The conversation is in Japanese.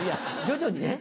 徐々にね。